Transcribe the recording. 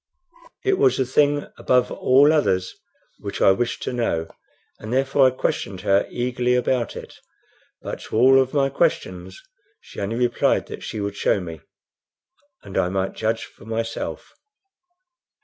It was the thing above all others which I wished to know, and therefore I questioned her eagerly about it; but to all of my questions she only replied that she would show me, and I might judge for myself.